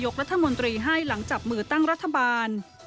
กับมือตั้งรัฐบาล